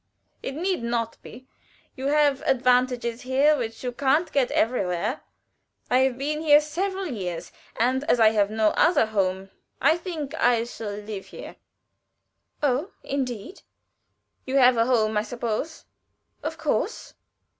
"It need not be. You have advantages here which you can't get everywhere. I have been here several years, and as I have no other home I rather think I shall live here." "Oh, indeed." "You have a home, I suppose?" "Of course."